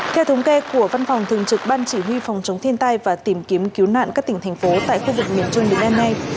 theo thống kê của văn phòng thường trực ban chỉ huy phòng chống thiên tai và tìm kiếm cứu nạn các tỉnh thành phố tại khu vực miền trung đến đêm nay